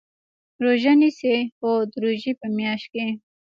روژه نیسئ؟ هو، د روژی په میاشت کې